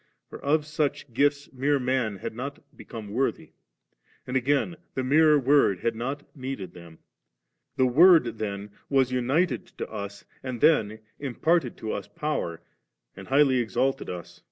For of such gifts mere man had not become worthy ; and again the mere Word had not needed them 7 • the Word then was united to us, and then imparted to us power, and highly exalted us'.